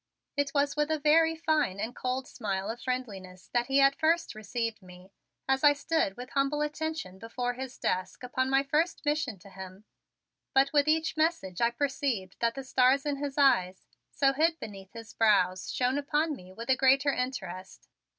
It was with a very fine and cold smile of friendliness that he at first received me, as I stood with humble attention before his desk upon my first mission to him, but with each message I perceived that the stars in his eyes, so hid beneath his brows, shone upon me with a greater interest.